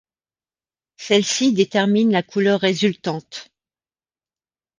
Celles-ci déterminent la couleur résultante.